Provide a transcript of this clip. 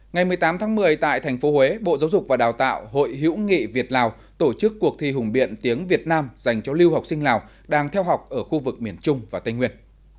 ngày một mươi tám tháng một mươi tại thành phố huế bộ giáo dục và đào tạo hội hữu nghị việt lào tổ chức cuộc thi hùng biện tiếng việt nam dành cho lưu học sinh lào đang theo học ở khu vực miền trung và tây nguyên